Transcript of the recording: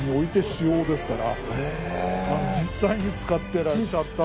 実際に使ってらっしゃった。